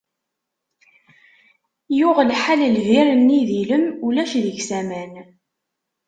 Yuɣ lḥal lbir-nni d ilem, ulac deg-s aman.